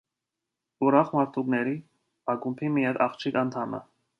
Ուրախ մարդուկների ակումբի միակ աղջիկ անդամը։